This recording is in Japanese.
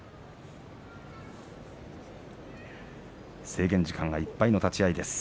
制限時間がいっぱいの立ち合いです。